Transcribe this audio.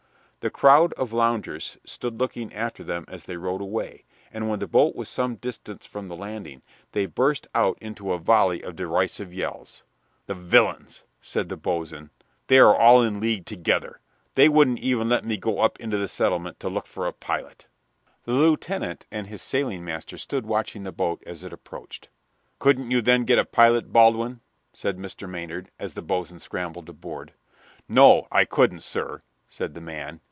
The crowd of loungers stood looking after them as they rowed away, and when the boat was some distance from the landing they burst out into a volley of derisive yells. "The villains!" said the boatswain, "they are all in league together. They wouldn't even let me go up into the settlement to look for a pilot." The lieutenant and his sailing master stood watching the boat as it approached. "Couldn't you, then, get a pilot, Baldwin?" said Mr. Maynard, as the boatswain scrambled aboard. "No, I couldn't, sir," said the man.